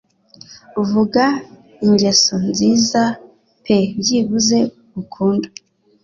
Vuga ingeso nziza pe byibuze ukunda.